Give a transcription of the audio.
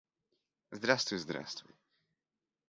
Здравствуй, здравствуй.